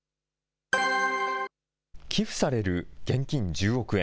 寄付される現金１０億円。